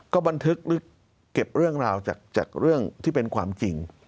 ก็บันทึกหรือเก็บเรื่องราวจากเรื่องที่เป็นความจริง